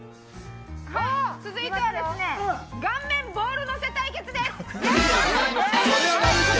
続いては顔面ボール乗せ対決です。